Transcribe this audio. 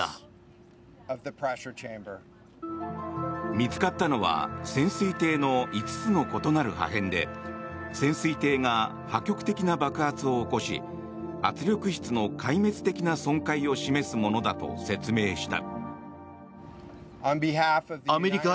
見つかったのは潜水艇の５つの異なる破片で潜水艇が破局的な爆発を起こし圧力室の壊滅的な損壊を示すものだと説明した。